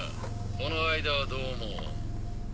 この間はどうも。